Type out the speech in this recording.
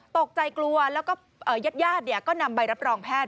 ตกใจกลัวแล้วก็ญาติก็นำใบรับรองแพทย์